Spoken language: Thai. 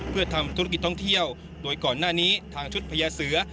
เพื่อทำธุรกิจท่องเที่ยวโดยก่อนหน้านี้ทางชุดพญาเสือ